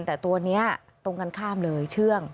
แต่ตัวนี้ตรงกันข้ามเลยเชื่อง